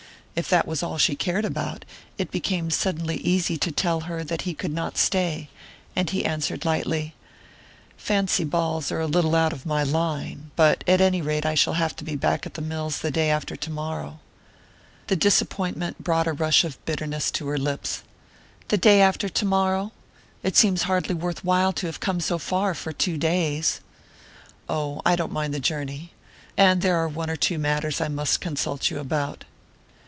If that was all she cared about, it became suddenly easy to tell her that he could not stay, and he answered lightly: "Fancy balls are a little out of my line; but at any rate I shall have to be back at the mills the day after tomorrow." The disappointment brought a rush of bitterness to her lips. "The day after tomorrow? It seems hardly worth while to have come so far for two days!" "Oh, I don't mind the journey and there are one or two matters I must consult you about."